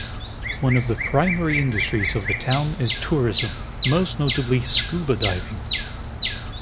One of the primary industries in the town is tourism, most notably scuba diving.